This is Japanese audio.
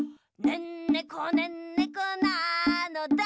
「ねんねこねんねこなのだ」